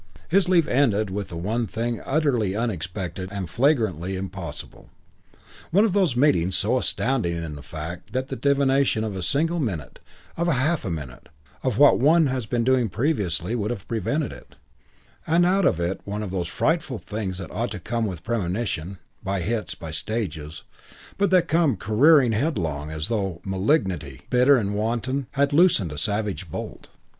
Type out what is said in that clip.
X His leave ended with the one thing utterly unexpected and flagrantly impossible. One of those meetings so astounding in the fact that the deviation of a single minute, of half a minute, of what one has been doing previously would have prevented it; and out of it one of those frightful things that ought to come with premonition, by hints, by stages, but that come careering headlong as though malignity, bitter and wanton, had loosed a savage bolt.